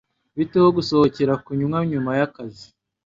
Bite ho gusohokera kunywa nyuma yakazi?